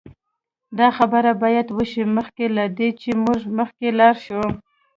دا خبره باید وشي مخکې له دې چې موږ مخکې لاړ شو